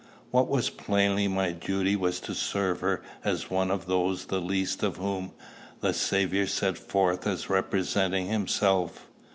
What was plainly my duty was to serve her as one of those the least of whom the Saviour sets forth as representing himself.